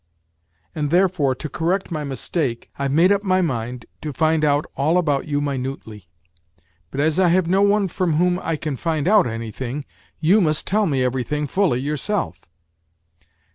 And 12 WHITE NIGHTS therefore to correct my mistake, I've made up my mind to find out all about you minutely. But as I have no one from whom I can find out anything, you must tell me everything fully your self.